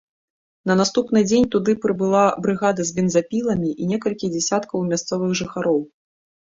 На наступны дзень туды прыбыла брыгада з бензапіламі і некалькі дзясяткаў мясцовых жыхароў.